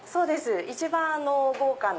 一番豪華な。